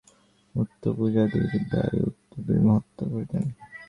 উক্ত পূজাদির ব্যয়ও উক্ত দুই মহাত্মা করিতেন।